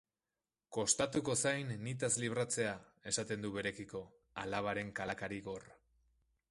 Kostatuko zain nitaz libratzea, esaten du berekiko, alabaren kalakari gor.